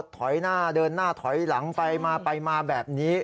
ถอยหน้าเดินหน้าถอยหลังไปมาไปมาแบบนี้